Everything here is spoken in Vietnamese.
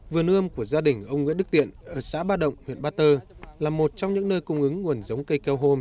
vườn ươm của gia đình ông nguyễn đức tiện ở xã ba động huyện ba tơ là một trong những nơi cung ứng nguồn giống cây keo hôm